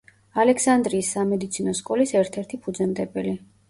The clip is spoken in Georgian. ალექსანდრიის სამედიცინო სკოლის ერთ-ერთი ფუძემდებელი.